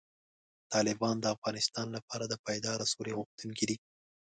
طالبان د افغانستان لپاره د پایداره سولې غوښتونکي دي.